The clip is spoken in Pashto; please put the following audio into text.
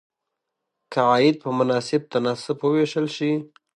که عاید په مناسب تناسب وویشل شي.